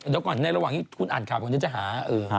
เดี๋ยวก่อนในระหว่างที่คุณอ่านข่าววันนี้จะหา